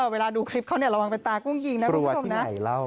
เวลาดูคลิปเขาระวังเป็นตากุ้งยิงนะคุณผู้ชมนะ